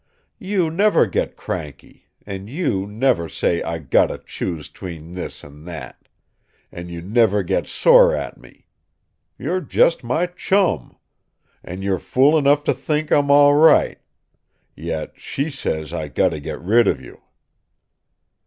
You never get cranky; and you never say I gotta choose betwixt this and that; and you never get sore at me. You're just my chum. And you're fool enough to think I'm all right. Yet she says I gotta get rid of you!"